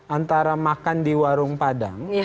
antara makan di warung padang